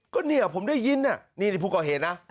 ก็เนี่ยผมได้ยินนี่ผู้ก่อเหตุนะ